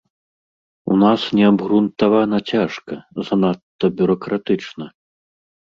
У нас неабгрунтавана цяжка, занадта бюракратычна.